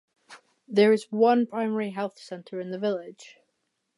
There is one primary health centre in the village.